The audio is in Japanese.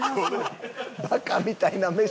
バカみたいなメシ。